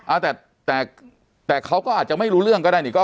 อ่าแต่แต่เขาก็อาจจะไม่รู้เรื่องก็ได้นี่ก็